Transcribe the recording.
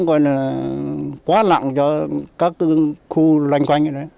nên là quá lặng cho các khu loanh quanh